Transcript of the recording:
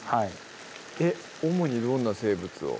主にどんな生物を？